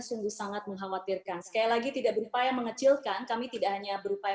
sungguh sangat mengkhawatirkan sekali lagi tidak berupaya mengecilkan kami tidak hanya berupaya